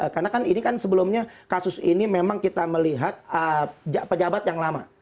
karena kan ini kan sebelumnya kasus ini memang kita melihat pejabat yang lama